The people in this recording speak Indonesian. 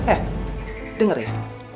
eh denger ya